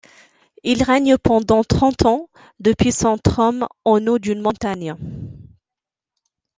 Il règne pendant trente ans depuis son trône en haut d’une montagne.